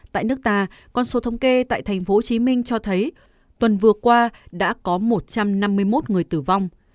tại nước ta con số thống kê tại tp hcm cho thấy tuần vừa qua đã có một trăm năm mươi một người tử vong